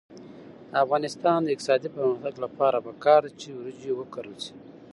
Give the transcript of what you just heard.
د افغانستان د اقتصادي پرمختګ لپاره پکار ده چې وریجې وکرل شي.